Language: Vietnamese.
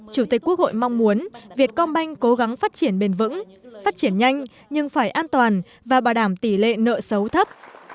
chủ tịch quốc hội mong muốn việt công banh cố gắng phát triển bền vững phát triển nhanh nhưng phải an toàn và bảo đảm tỷ lệ nợ xấu thấp